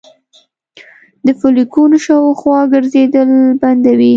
د فولیکونو شاوخوا ګرځیدل بندوي